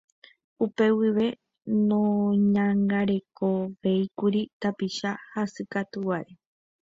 Upe guive noñangarekovéikuri tapicha hasykatuváre.